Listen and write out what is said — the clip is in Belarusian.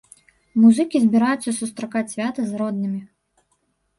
Музыкі збіраюцца сустракаць свята з роднымі.